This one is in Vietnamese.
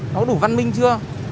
nó có đủ văn minh chưa